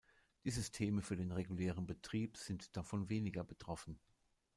Die Systeme für den regulären Betrieb sind davon weniger betroffen.